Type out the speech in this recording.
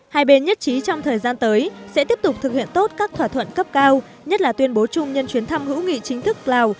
hai bên nhất trí trong thời gian tới sẽ tiếp tục thực hiện tốt các thỏa thuận cấp cao nhất là tuyên bố chung nhân chuyến thăm hữu nghị chính thức lào